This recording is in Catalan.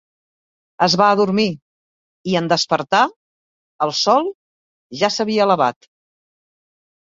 Es va adormir i, en despertar, el sol ja s'havia elevat.